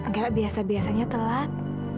gak biasa biasanya telat